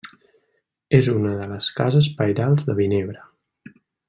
És una de les cases pairals de Vinebre.